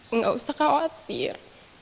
enggak usah khawatir